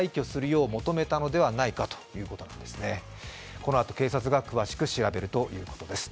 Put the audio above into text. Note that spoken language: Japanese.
このあと警察が詳しく調べるということです。